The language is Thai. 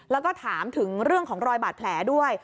แล้วก็ถามถึงเรื่องของรอยบาดแผลด้วย